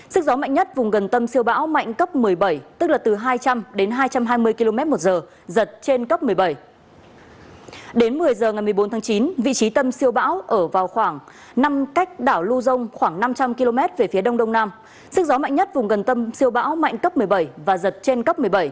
sức gió mạnh nhất vùng gần tâm siêu bão mạnh cấp một mươi bảy và giật trên cấp một mươi bảy